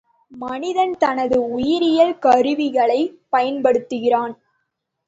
மனிதன் தனது உயிரியல் கருவிகளைப் பயன்படுத்துகிறான்.